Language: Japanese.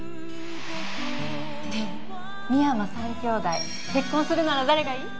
ねえ深山三兄弟結婚するなら誰がいい？